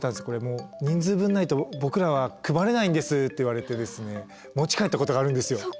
「これもう人数分ないと僕らは配れないんです」って言われて持ち帰ったことがあるんですよ。